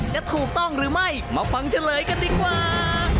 จะถูกต้องหรือไม่มาฟังเฉลยกันดีกว่า